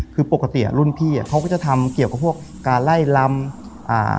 คือปกติอ่ะรุ่นพี่อ่ะเขาก็จะทำเกี่ยวกับพวกการไล่ลำอ่า